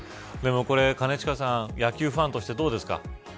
兼近さん野球ファンとしてどうですか。